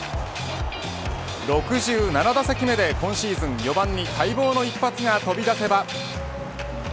６７打席目で今シーズン４番に待望の一発が飛び出せば。